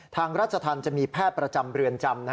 ทางราชทันจะมีแพทย์ประจำเรือนจำ